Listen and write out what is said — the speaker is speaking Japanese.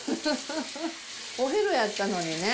お昼やったのにね。